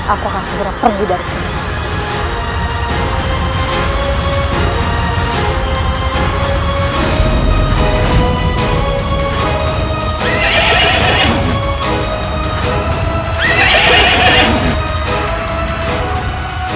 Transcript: aku akan segera pergi dari sini